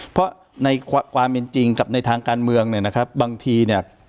เพราะในความเป็นจริงกับในทางการเมืองเนี่ยนะครับบางทีเนี่ย